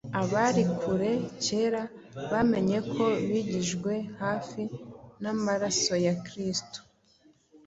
abari kure kera” bamenye ko “bigijwe hafi n’amaraso ya Kristo,